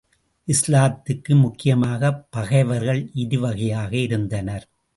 இஸ்லாத்துக்கு முக்கியமாகப் பகைவர்கள் இரு வகையாக இருந்தனர்.